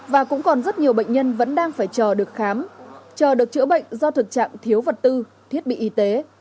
và cũng còn rất nhiều bệnh nhân vẫn đang phải chờ được khám chờ được chữa bệnh do thực trạng thiếu vật tư thiết bị y tế